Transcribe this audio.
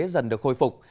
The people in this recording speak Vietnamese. dần được khôi phục